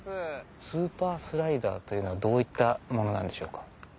スーパースライダーというのはどういったものなんでしょうか？